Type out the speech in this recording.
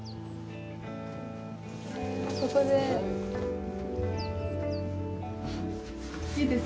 ここで。